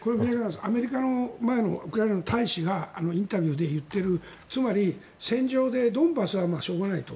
アメリカの前のウクライナの大使がインタビューで言っているつまり戦場でドンバスはしょうがないと。